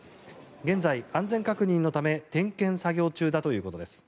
現在、安全確認のため点検作業中だということです。